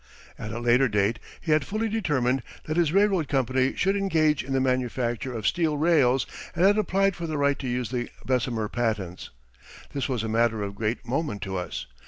At a later date he had fully determined that his railroad company should engage in the manufacture of steel rails and had applied for the right to use the Bessemer patents. This was a matter of great moment to us.